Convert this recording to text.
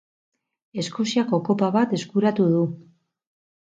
Eskoziako Kopa bat eskuratu du.